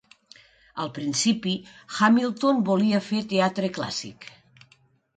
Al principi, Hamilton volia fer teatre clàssic.